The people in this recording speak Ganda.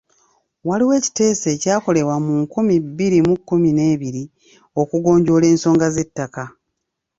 Waliwo ekiteeso ekyakolebwa mu nkumi bbiri mu kkumi n'ebiri okugonjoola ensonga z'ettaka.